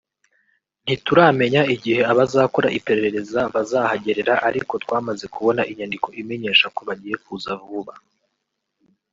ntituramenya igihe abazakora iperereza bazahagerera ariko twamaze kubona inyandiko imenyesha ko bagiye kuza vuba